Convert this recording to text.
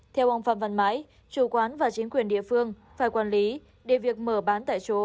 theo ông phạm văn mãi chủ quán và chính quyền địa phương phải quản lý để việc mở bán tại chỗ